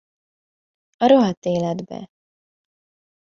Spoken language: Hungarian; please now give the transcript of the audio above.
A rohadt életbe!